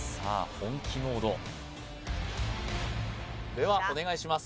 本気モードではお願いします